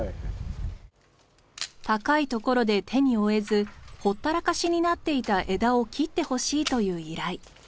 高い所で手に負えずほったらかしになっていた枝を切ってほしいという依頼。